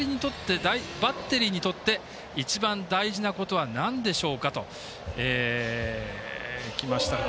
バッテリーにとって一番大事なことはなんでしょうか？ときました。